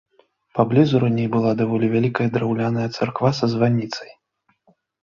Паблізу раней была даволі вялікая драўляная царква са званіцай.